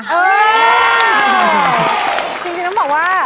จริงน้องบอกว่า